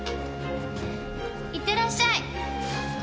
いってらっしゃい！